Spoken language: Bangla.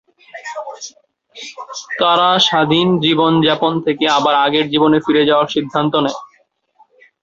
তারা স্বাধীন জীবন যাপন থেকে আবার আগের জীবনে ফিরে যাওয়ার সিদ্ধান্ত নেয়।